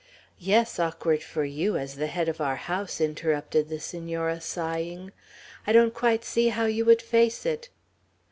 "Yes, awkward for you, as the head of our house," interrupted the Senora, sighing. "I don't quite see how you would face it."